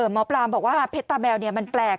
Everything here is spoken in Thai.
หมอปลาบอกว่าเพชรตาแมวมันแปลก